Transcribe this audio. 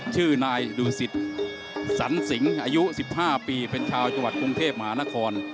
ชื่อนายดูสิตสันสิงอายุ๑๕ปีเป็นชาวจังหวัดกรุงเทพมหานคร